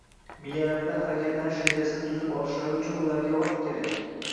miyalarida harakatlanish rejasini tuzib olishlari uchun ularga vaqt kerak.